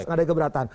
tidak ada keberatan